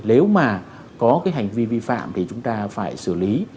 nếu mà có cái hành vi vi phạm thì chúng ta phải xử lý